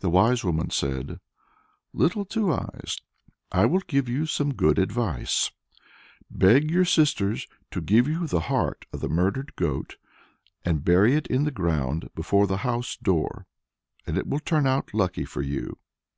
The wise woman said, "Little Two Eyes, I will give you some good advice; beg your sisters to give you the heart of the murdered goat, and bury it in the ground before the house door, and it will turn out lucky for you."